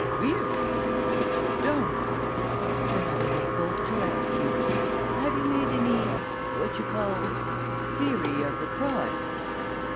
"Weary me? But you don't!" "Then I will make bold to ask you have you made any what you call theory of the crime?"